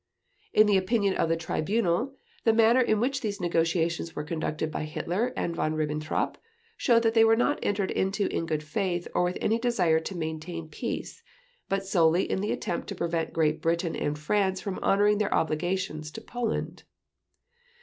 In the opinion of the Tribunal, the manner in which these negotiations were conducted by Hitler and Von Ribbentrop showed that they were not entered into in good faith or with any desire to maintain peace, but solely in the attempt to prevent Great Britain and France from honoring their obligations to Poland.